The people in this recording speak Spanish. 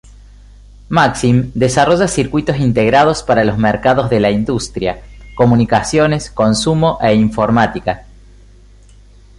Maxim desarrolla circuitos integrados para los mercados de la industria, comunicaciones, consumo e informática.